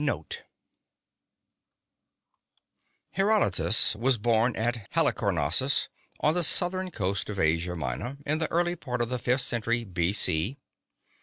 Macaulay NOTE HERODOTUS was born at Halicarnassus, on the southwest coast of Asia Minor, in the early part of the fifth century, B. C.